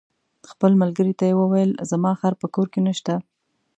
خپل ملګري ته یې وویل: زما خر په کور کې نشته.